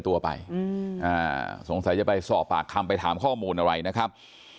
ตัวไปสงสัยจะไปสอบปากคำไปถามข้อมูลอะไรนะครับ